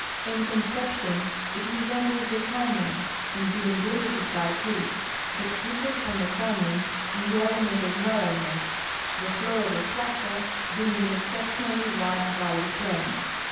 In conception it resembles a canon in being limited by cliffs, but differs from a canon in the element of narrowness, the floor of a plaza being an exceptionally wide valley plain.